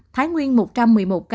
thái nguyên một trăm một mươi một ca